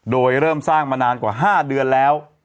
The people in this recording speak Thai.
โดยเริ่มสร้างมานานกว่า๕เดือนแล้ว